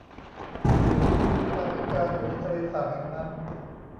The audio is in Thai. มีปลาพิการอยู่ในทะเลสาปแห่งนั้น